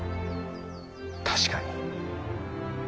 確かに。